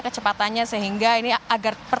kecepatannya sehingga ini agar